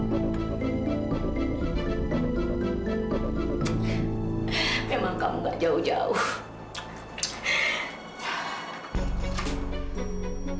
kamu jangan terlalu berharap ya sayang ya